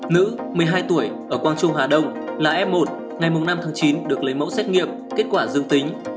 nữ một mươi hai tuổi ở quang trung hà đông là f một ngày năm tháng chín được lấy mẫu xét nghiệm kết quả dương tính